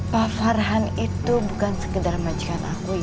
pak farhan itu bukan sekedar majikan aku ya